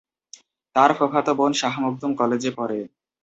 তার ফুফাতো বোন শাহ মখদুম কলেজে পড়ে।